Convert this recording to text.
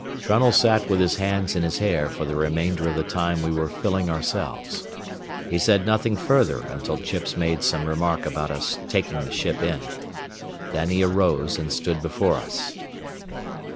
Trunnell sat with his hands in his hair for the remainder of the time we were filling ourselves. He said nothing further until Chips made some remark about his taking the ship in. Then he arose and stood before us.